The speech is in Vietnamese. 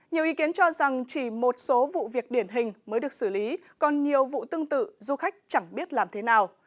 nhiều ý kiến cho rằng chỉ một số vụ việc điển hình mới được xử lý còn nhiều vụ tương tự du khách chẳng biết làm thế nào